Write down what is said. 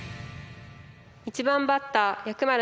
１番バッター藥丸